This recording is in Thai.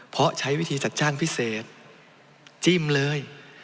เพราะใช้วิธีจัดจ้านพิเศษจิ้มเลย